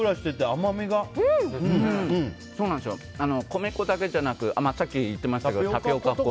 米粉だけじゃなくさっき言ってましたけどタピオカ粉と。